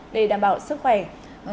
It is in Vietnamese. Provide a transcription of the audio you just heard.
để đảm bảo sức khỏe